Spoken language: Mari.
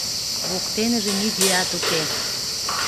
Воктеныже нигӧат уке.